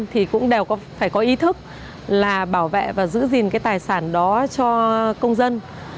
thì cũng đều có phải có ý thức là bảo vệ và giữ gìn cái tài sản đó cho công dân